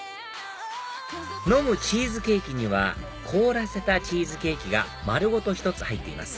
飲むチーズケーキには凍らせたチーズケーキが丸ごと１つ入っています